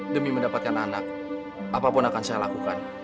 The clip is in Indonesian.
demi mendapatkan anak apapun akan saya lakukan